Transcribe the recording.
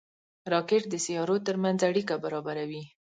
راکټ د سیارو ترمنځ اړیکه برابروي